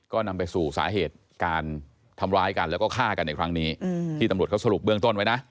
ก็นำไปสู่สาเหตุการทำร้ายกันแล้วก็ฆ่ากันในครั้งนี้ที่ตำรวจเขาสรุปเบื้องต้นไว้นะ